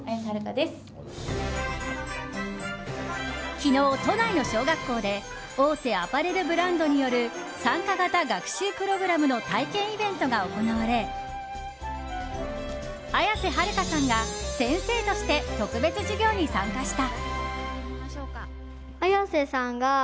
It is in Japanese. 昨日、都内の小学校で大手アパレルブランドによる参加型学習プログラムの体験イベントが行われ綾瀬はるかさんが先生として特別授業に参加した。